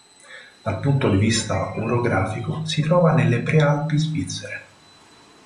Dal punto di vista orografico si trova nelle Prealpi Svizzere.